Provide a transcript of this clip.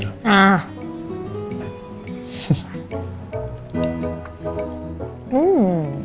galak banget sih